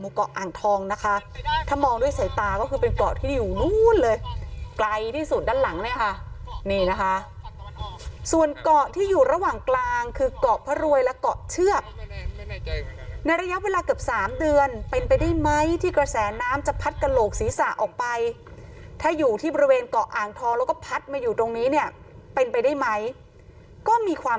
เกาะอ่างทองนะคะถ้ามองด้วยสายตาก็คือเป็นเกาะที่อยู่นู้นเลยไกลที่สุดด้านหลังเลยค่ะนี่นะคะส่วนเกาะที่อยู่ระหว่างกลางคือเกาะพระรวยและเกาะเชือกในระยะเวลาเกือบสามเดือนเป็นไปได้ไหมที่กระแสน้ำจะพัดกระโหลกศีรษะออกไปถ้าอยู่ที่บริเวณเกาะอ่างทองแล้วก็พัดมาอยู่ตรงนี้เนี่ยเป็นไปได้ไหมก็มีความ